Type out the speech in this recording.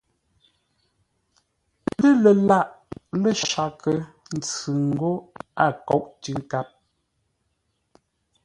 Pə́ lâʼ lə́ Shaghʼə-ntsʉ ńgó a kóʼ tʉ́ ńkáp.